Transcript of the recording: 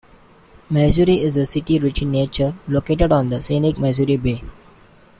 Maizuru is a city rich in nature, located on the scenic Maizuru Bay.